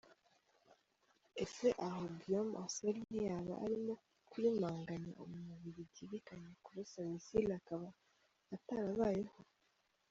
Ese aho Guillaume Ancel ntiyaba arimo kurimanganya uwo mubirigi biganye kurasa missiles akaba atarabayeho?